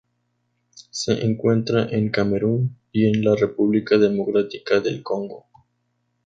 Se encuentra en Camerún y en la República Democrática del Congo.